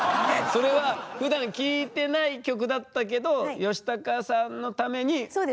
それはふだん聴いてない曲だったけどヨシタカさんのために覚えたんです？